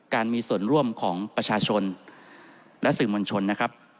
การมีส่วนร่วมของประชาชนและสื่อมวลชนนะครับ